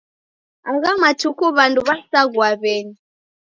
Agha matuku w'andu w'asaghua w'eni.